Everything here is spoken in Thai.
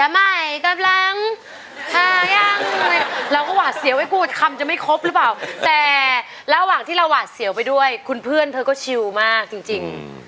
แม่ให้ฟันถึงฟันถึงฟัง